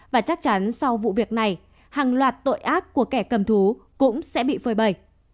và chắc chắn sau vụ việc này hàng loạt tội ác của kẻ cầm thú cũng sẽ bị phơi bầy